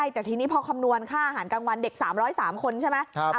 แต่ทีนี้พอคำนวณค่าอาหารกลางวันเด็ก๓๐๓คนใช่ไหม